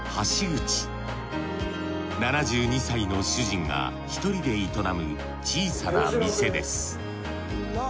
７２歳の主人が１人で営む小さな店です。